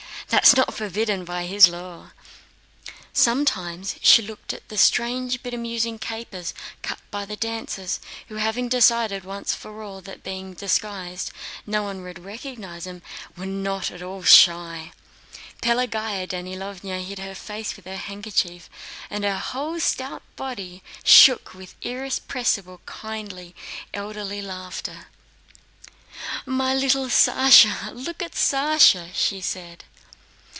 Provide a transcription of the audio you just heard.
"That's not forbidden by his law." Sometimes, as she looked at the strange but amusing capers cut by the dancers, who—having decided once for all that being disguised, no one would recognize them—were not at all shy, Pelagéya Danílovna hid her face in her handkerchief, and her whole stout body shook with irrepressible, kindly, elderly laughter. "My little Sásha! Look at Sásha!" she said.